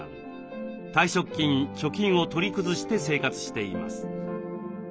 退職金貯金を取り崩して生活しています。